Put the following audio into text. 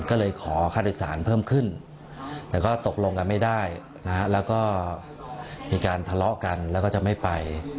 ก็เลยขอค่าโดยสารเพิ่มขึ้นแต่ก็ตกลงกันไม่ได้แล้วก็มีการทะเลาะกันแล้วก็จะไม่ไป